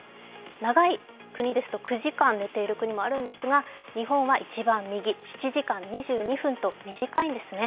長い国ですと９時間寝ている国もあるんですが日本は一番右、７時間２２分と短いんですね。